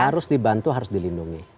harus dibantu harus dilindungi